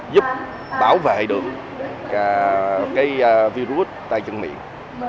giúp bảo vệ được cái virus tai chân miệng